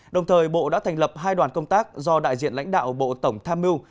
đồng thời bộ đã thành lập hai đoàn công tác do đại diện lãnh đạo bộ tổng tham mưu